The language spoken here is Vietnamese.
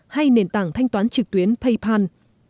hay nền tảng thanh toán trực tuyến paypal